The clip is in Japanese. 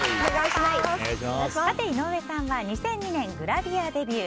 井上さんは２００２年グラビアデビュー。